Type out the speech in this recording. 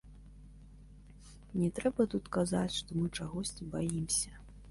Не трэба тут казаць, што мы чагосьці баімся.